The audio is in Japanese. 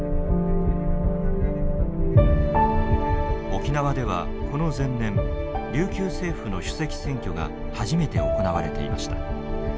沖縄ではこの前年琉球政府の主席選挙が初めて行われていました。